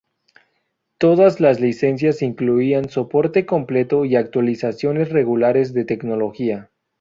Todas las licencias incluían soporte completo y actualizaciones regulares de tecnología.